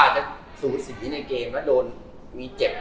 จะสูสีในเกมแล้วโดนมีเจ็บ